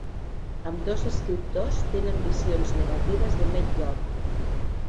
Ambdós escriptors tenen visions negatives de "Mad Love".